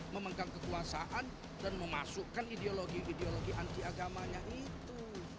memenggang kekuasaan dan memasukkan ideologi ideologi antiagamanya itu